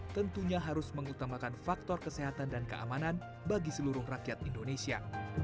tentunya harus mengutamakan faktor kesehatan dan keamanan bagi seluruh rakyat indonesia